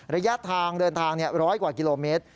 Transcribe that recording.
ระยะทางเดินทางร้อยกว่ากิโลเมตร